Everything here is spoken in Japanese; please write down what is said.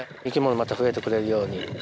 生き物また増えてくれるように。